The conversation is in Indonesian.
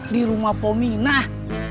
di rumah pominah